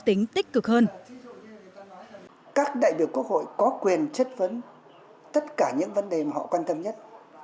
tính tích cực hơn các đại biểu quốc hội có quyền chất vấn tất cả những vấn đề mà họ quan tâm nhất